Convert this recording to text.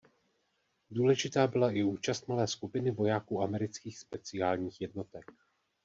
Důležitá byla i účast malé skupiny vojáků amerických speciálních jednotek.